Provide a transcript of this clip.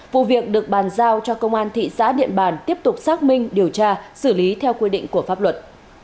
vụ việc được bàn giao cho công an thị xã điện bàn tiếp tục xác minh điều tra xử lý theo quy định của pháp luật